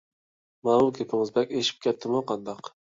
ماۋۇ گېپىڭىز بەك ئېشىپ كەتتىمۇ قانداق؟